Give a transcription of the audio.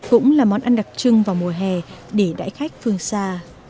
cũng là món ăn đặc trưng vào mùa hè để đại khách phương xa